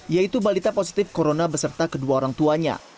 yaitu balita positif corona beserta kedua orang tuanya